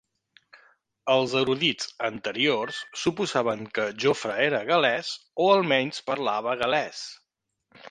Els erudits anteriors suposaven que Jofre era gal·lès o almenys parlava gal·lès.